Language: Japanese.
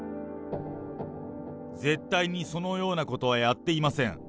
絶対にそのようなことはやっていません。